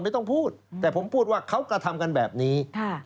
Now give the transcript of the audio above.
ไม่ต้องพูดแต่ผมพูดว่าเขากระทำกันแบบนี้